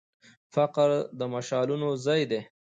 فقره د مثالونو ځای يي.